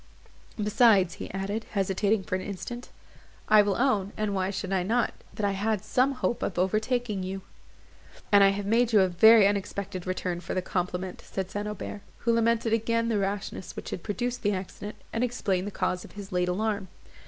Besides," added he, hesitating for an instant, "I will own, and why should I not? that I had some hope of overtaking you." "And I have made you a very unexpected return for the compliment," said St. Aubert, who lamented again the rashness which had produced the accident, and explained the cause of his late alarm.